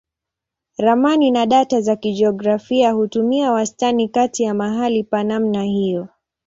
Ramani na data za kijiografia hutumia wastani kati ya mahali pa namna hiyo.